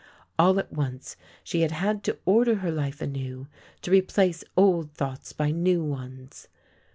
All at once she had had to order her life anew, to replace old thoughts by new ones.